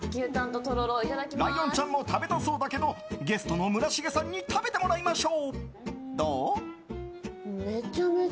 ライオンちゃんも食べたそうだけどゲストの村重さんに食べてもらいましょう。